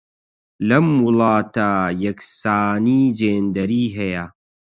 لەم وڵاتە یەکسانیی جێندەری هەیە.